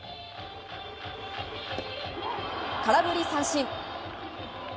空振り三振。